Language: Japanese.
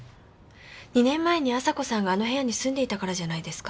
２年前に亜沙子さんがあの部屋に住んでいたからじゃないですか？